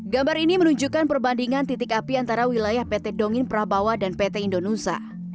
gambar ini menunjukkan perbandingan titik api antara wilayah pt dongin prabawa dan pt indonesia